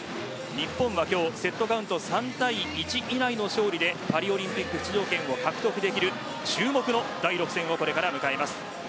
日本は今日、セットカウント３−１以内の勝利でパリオリンピック出場権を獲得できる注目の第６戦をこれから迎えます。